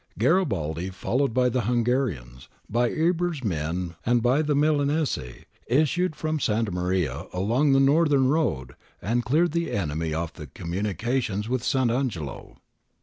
Garibaldi, fol lowed by the Hungarians, by Eber's men and by the Milanese, issued from Santa Maria along the northern road and cleared the enemy off the communications with Sant' Angelo.